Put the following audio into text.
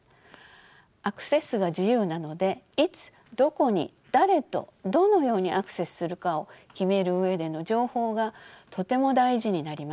アクセスが自由なのでいつどこに誰とどのようにアクセスするかを決める上での情報がとても大事になります。